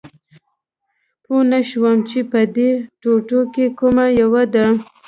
پوه نه شوم چې په دې ټوټو کې کومه یوه ده